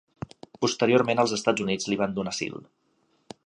Posteriorment els Estats Units li van donar asil.